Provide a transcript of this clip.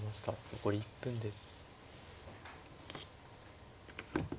残り１分です。